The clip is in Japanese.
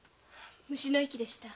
虫の息でした。